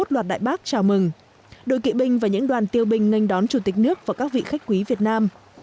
hai mươi một loạt đại bác chào mừng đội kỵ binh và những đoàn tiêu binh ngay đón chủ tịch nước và các vị khách quý việt nam